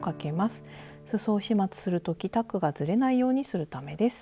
すそを始末する時タックがずれないようにするためです。